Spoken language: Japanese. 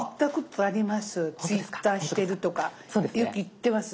ツイッターしてるとかよく言ってます